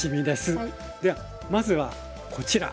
ではまずはこちら。